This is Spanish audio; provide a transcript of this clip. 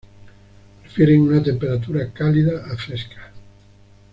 Prefieren una temperatura cálida a fresca.